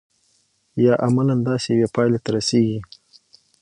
یا عملاً داسې یوې پایلې ته رسیږي.